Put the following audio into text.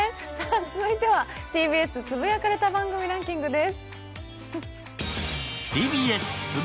続いては「ＴＢＳつぶやかれた番組ランキング」です。